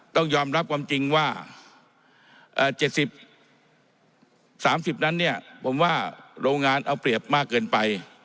ต้องยอมรับความจริงว่า๗๐๓๐นั้นเนี่ยผมว่าโรงงานเอาเปรียบมากเกินไป